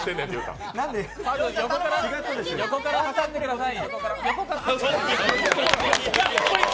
横から挟んでください。